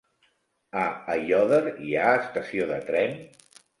A Aiòder hi ha estació de tren?